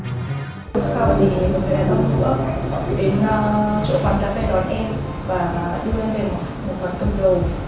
lúc sau thì một người đàn ông vừa đến chỗ phòng đã phép đón em và đưa em về một quán cơm đồ